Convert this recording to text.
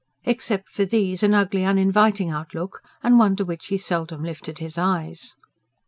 Except for these, an ugly, uninviting outlook, and one to which he seldom lifted his eyes.